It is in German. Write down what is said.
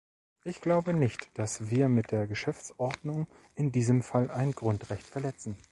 Ich glaube nicht, dass wir mit der Geschäftsordnung in diesem Fall ein Grundrecht verletzen.